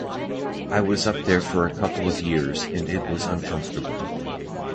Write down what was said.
I was up there for a couple of years, and it was uncomfortable.